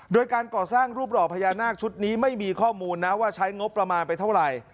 โดยการก่อสร้างรูปหล่อพญานาคชุดนี้ไม่มีข้อมูลนะว่าใช้งบประมาณไปเท่าไหร่